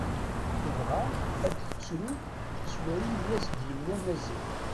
Tebɣa ad tettru s wayen i as-d-yenna Maziɣ.